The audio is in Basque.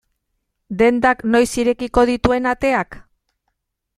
Dendak noiz irekiko dituen ateak?